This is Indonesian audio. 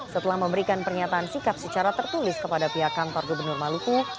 setelah memberikan pernyataan sikap secara tertulis kepada pihak kantor gubernur maluku